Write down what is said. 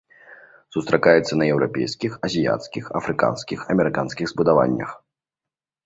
Сустракаецца на еўрапейскіх, азіяцкіх, афрыканскіх, амерыканскіх збудаваннях.